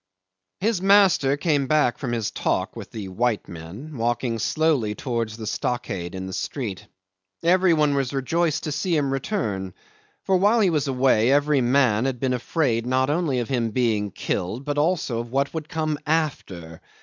'His master came back from his talk with the white men, walking slowly towards the stockade in the street. Everybody was rejoiced to see him return, for while he was away every man had been afraid not only of him being killed, but also of what would come after.